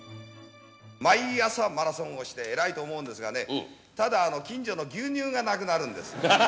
毎朝マラソンして偉いと思うんですが、ただ近所の牛乳がなくなるんです。